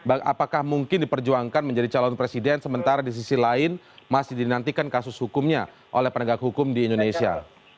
apakah mungkin diperjuangkan menjadi calon presiden sementara di sisi lain masih dinantikan kasus hukumnya oleh penegak hukum di indonesia